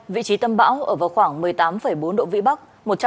vị trí tâm bão ở vào khoảng một mươi tám bốn độ vĩ bắc